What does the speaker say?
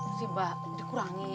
bu si mbak dikurangi